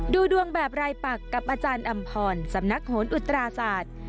ดูดวงแบบรายปักกับอาจารย์อำพรสำนักโหนอุตราศาสตร์